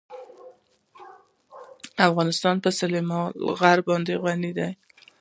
افغانستان په سلیمان غر باندې غني دی.